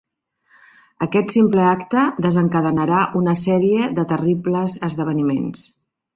Aquest simple acte desencadenarà una sèrie de terribles esdeveniments.